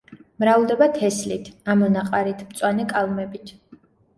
მრავლდება თესლით, ამონაყარით, მწვანე კალმებით.